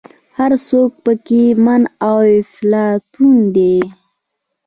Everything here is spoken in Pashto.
هر څوک په کې من او افلاطون دی.